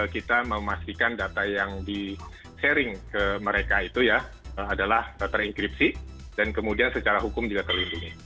kita memastikan data yang di sharing ke mereka itu ya adalah terekripsi dan kemudian secara hukum juga terlindungi